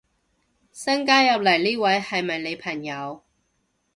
新加入呢位係咪你朋友